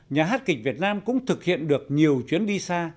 nhà hát kịch việt nam cũng thực hiện được nhiều chuyến đi xa